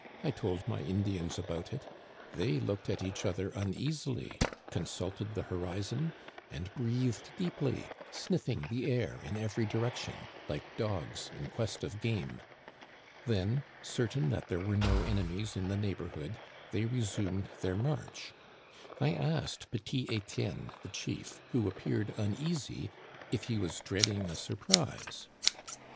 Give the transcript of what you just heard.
I told my Indians about it. They looked at each other uneasily, consulted the horizon, and breathed deeply, sniflSng the air in every direction, like dogs in quest of game. Then, certain that there were no enemies in the neighborhood, they resumed their march. I asked Petit Étienne, the chief, who appeared uneasy, if he was dreading a surprise.